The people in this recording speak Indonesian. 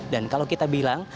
dan kalau kita bilang